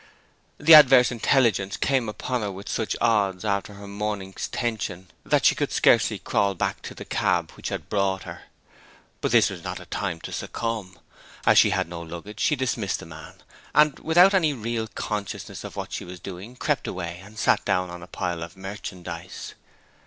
The adverse intelligence came upon her with such odds after her morning's tension that she could scarcely crawl back to the cab which had brought her. But this was not a time to succumb. As she had no luggage she dismissed the man, and, without any real consciousness of what she was doing, crept away and sat down on a pile of merchandise.